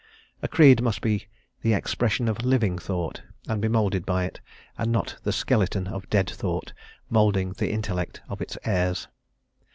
A creed must be the expression of living thought, and be moulded by it, and not the skeleton of dead thought, moulding the intellect of its heirs.